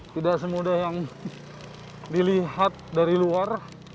tidak semudah yang dilihat dari luar